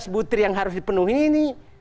tujuh belas butir yang harus dipenuhi ini